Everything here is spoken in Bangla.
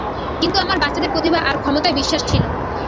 কিন্তু আমার বাচ্চাদের প্রতিভা আর ক্ষমতায় বিশ্বাস ছিল।